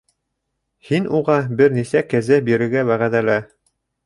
— Һин уға бер нисә кәзә бирергә вәғәҙәлә.